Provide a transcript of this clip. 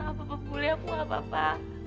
gak apa apa gue boleh aku gak apa apa